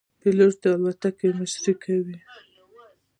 پیلوټ د الوتکې مشري کوي.